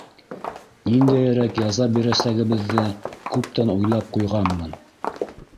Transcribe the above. — Ниндәйерәк яза бирәсәгебеҙҙе күптән уйлап ҡуйғанмын.